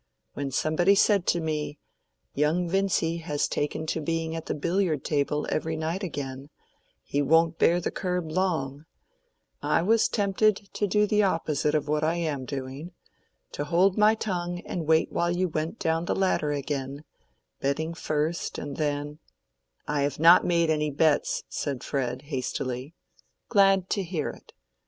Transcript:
When somebody said to me, 'Young Vincy has taken to being at the billiard table every night again—he won't bear the curb long;' I was tempted to do the opposite of what I am doing—to hold my tongue and wait while you went down the ladder again, betting first and then—" "I have not made any bets," said Fred, hastily. "Glad to hear it.